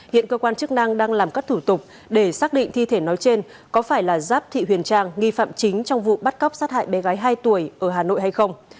hiện cơ quan chức năng đang làm các thủ tục để xác định thi thể nói trên có phải là giáp thị huyền trang nghi phạm chính trong vụ bắt cóc sát hại bé gái hai tuổi ở hà nội hay không